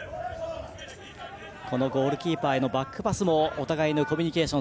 ゴールキーパーへのバックパスもお互いのコミュニケーション